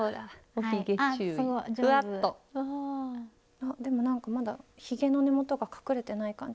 あでもなんかまだひげの根元が隠れてない感じ。